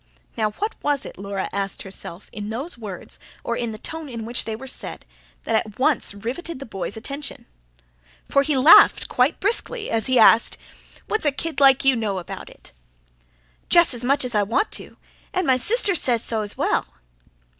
Now what was it, Laura asked herself, in these words, or in the tone in which they were said, that at once riveted the boy's attention. For he laughed quite briskly as he asked; "What's a kid like you know about it?" "Jus' as much as I want to. An' my sister says so 's well."